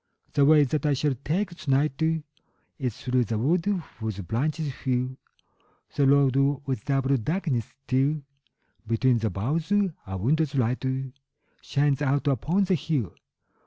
The way that I shall take to night Is through the wood whose branches fill The road with double darkness, till, Between the boughs, a window's light Shines out upon the hill.